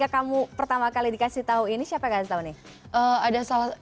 kalau kamu yang pertama kali dikasih tahu ini siapa yang kasih tahu nih